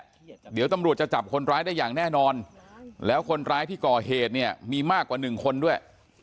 เดี๋ยวตำรวจจะจับคนร้ายได้อย่างแน่นอนแล้วคนร้ายที่ก่อเหตุเนี่ยมีมากกว่าหนึ่งคนด้วย